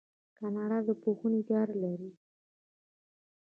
کاناډا د پوهنې اداره لري.